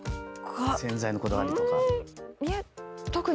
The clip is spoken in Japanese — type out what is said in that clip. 洗剤のこだわりとか。